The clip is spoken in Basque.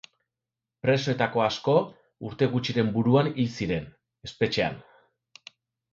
Presoetako asko, urte gutxiren buruan hil ziren, espetxean.